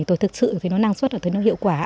tôi thực sự thấy nó năng suất thấy nó hiệu quả